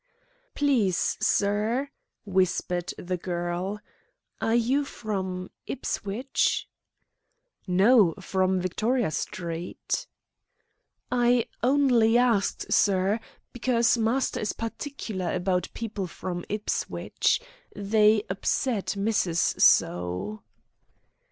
"Please, sir," whispered the girl, "are you from Ipswich?" "No; from Victoria Street." "I only asked, sir, because master is particular about people from Ipswich. They upset missus so."